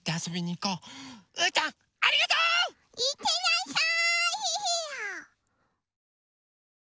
いってらっしゃい！